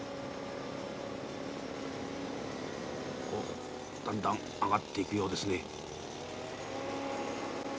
おっだんだん上がっていくようですね。